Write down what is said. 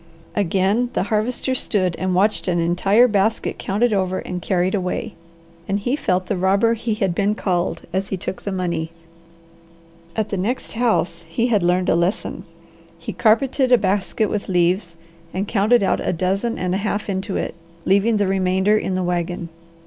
Again the Harvester stood and watched an entire basket counted over and carried away, and he felt the robber he had been called as he took the money. At the next house he had learned a lesson. He carpeted a basket with leaves and counted out a dozen and a half into it, leaving the remainder in the wagon.